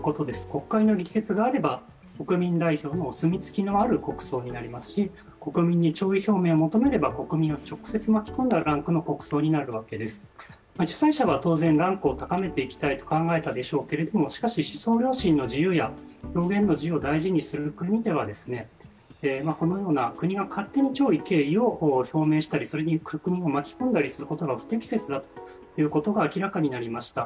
国会の力説があれば、国民代表のお墨付きのある国葬になりますし国民に弔意表明を求めれば国民を直接巻き込んだランクの、国葬になるわけです、主催者は当然ランクを高めていきたいと考えたでしょうが、しかし思想・良心の自由や、表現の自由を大事にする国では、このような国が勝手に弔意・敬意を表明したり、国民を巻き込んだりすることが不適切だということが明らかになりました。